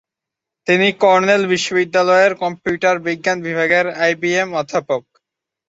তিনি কর্নেল বিশ্ববিদ্যালয়ের কম্পিউটার বিজ্ঞান বিভাগের আইবিএম অধ্যাপক।